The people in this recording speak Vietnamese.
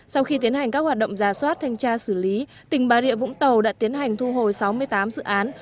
sau khi tiến hành các hoạt động giả soát thanh tra xử lý tỉnh bà rịa vũng tàu đã tiến hành thu hồi sáu mươi tám dự án